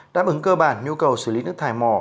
đáp ứng cơ bản nhu cầu xử lý nước thải mỏ